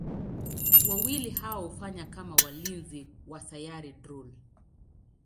Wawili hao hufanya kama walinzi wa Sayari Drool.